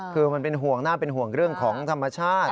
คือมันเป็นห่วงน่าเป็นห่วงเรื่องของธรรมชาติ